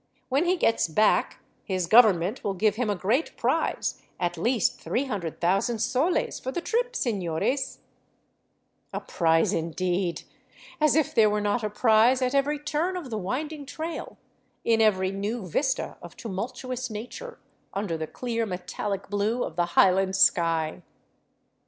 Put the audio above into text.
When he gets back, his government will give him a great prize, at least 300,000 soles for the trip, sefiores." 289 VAGABONDING DOWN THE ANDES A prize, indeed ! As if there were not a prize at every turn of the winding trail, in every new vista of tumultuous nature under the clear metalic blue of the highland sky